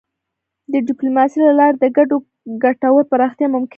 د ډيپلوماسی له لارې د ګډو ګټو پراختیا ممکنه ده.